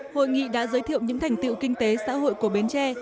hội nghị đã giới thiệu những thành tựu kinh tế xã hội của bến tre